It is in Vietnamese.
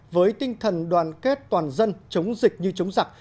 với tinh thần đoàn kết toàn dân chống dịch như chống giặc